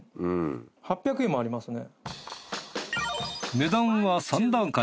８００円もありますね。